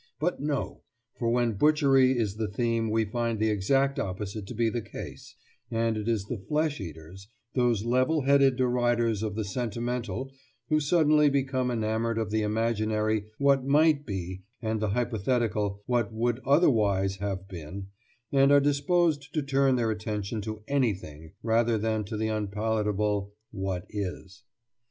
But no! for when butchery is the theme we find the exact opposite to be the case, and it is the flesh eaters, those level headed deriders of the sentimental, who suddenly became enamoured of the imaginary what might be and the hypothetical what would otherwise have been, and are disposed to turn their attention to anything rather than to the unpalatable what is.